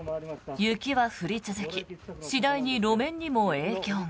雪は降り続き次第に路面にも影響が。